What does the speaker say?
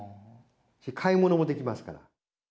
買い物もできますから。